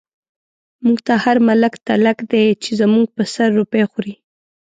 موږ ته هر ملک تلک دی، چی زموږ په سر روپۍ خوری